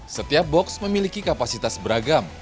setiap box memiliki kapasitas beragam